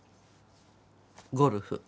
ゴルフ。